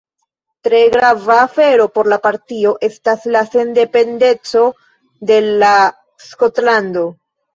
Tre grava afero por la partio estas la sendependeco de la Skotlando.